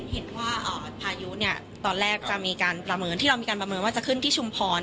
พายุเนี่ยตอนแรกจะมีการประเมินที่เรามีการประเมินว่าจะขึ้นที่ชุมพร